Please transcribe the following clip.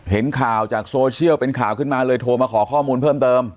เห็นข่าวจากโซเชียลเป็นข่าวขึ้นมาเลยโทรมาขอข้อมูลเพิ่มเติม